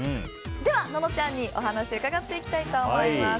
では、ののちゃんにお話を伺っていきたいと思います。